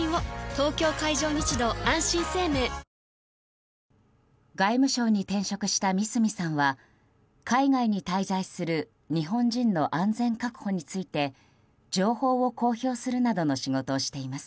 東京海上日動あんしん生命外務省に転職した三角さんは海外に滞在する日本人の安全確保について情報を公表するなどの仕事をしています。